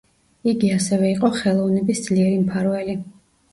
იგი ასევე იყო ხელოვნების ძლიერი მფარველი.